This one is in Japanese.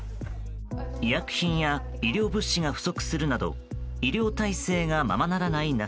医薬品や医療物資が不足するなど医療体制がままならない